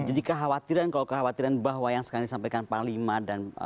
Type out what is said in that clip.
jadi kekhawatiran kalau kekhawatiran bahwa yang sekarang disampaikan pak lima dan pak suryoprabowo